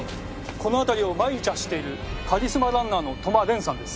この辺りを毎日走っているカリスマランナーの戸間漣さんです。